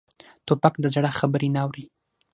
توپک د زړه خبرې نه اوري.